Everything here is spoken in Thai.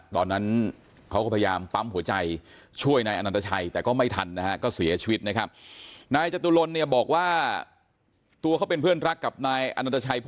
ตอนนั้นเขาก็พยายามฟังหัวใจช่วยอานันตชัย